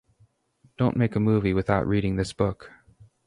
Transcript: Don't make a movie without reading this book!